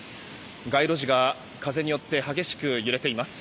街路樹が風によって激しく揺れています。